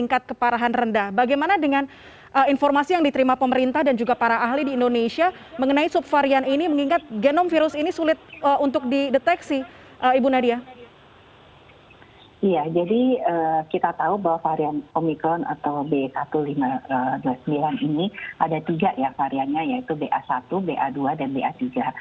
kita tahu bahwa varian omikron atau b satu lima ratus dua puluh sembilan ini ada tiga variannya yaitu b a satu b a dua dan b a tiga